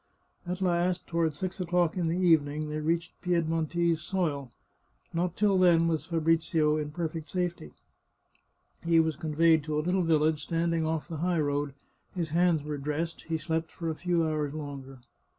At last, toward six o'clock in the evening, they reached Piedmontese soil. Not till then was Fabrizio in perfect safety. He was conveyed to a little village, standing ofif the high road, his hands were dressed ; he slept for a few hours longer.